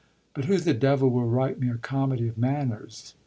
But who the devil will write me a comedy of manners?